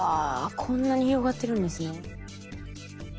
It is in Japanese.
こんなに広がってるんですね。